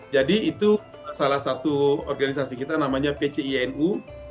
jadi itu salah satu organisasi kita namanya pcinu